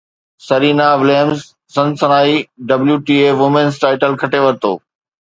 Serena Williams Cincinnati WTA women's title کٽي ورتو